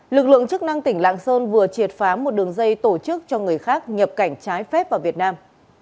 lực lượng chức năng tỉnh lạng sơn vừa triệt phá một đường dây tổ chức cho người khác nhập cảnh trái phép vào việt nam